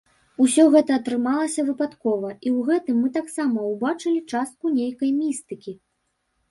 Усё гэта атрымалася выпадкова, і ў гэтым мы таксама ўбачылі частку нейкай містыкі.